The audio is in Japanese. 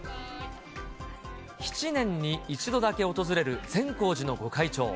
７年に１度だけ訪れる善光寺の御開帳。